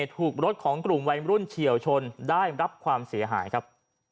ถูกรถของกลุ่มวัยรุ่นเฉียวชนได้รับความเสียหายครับ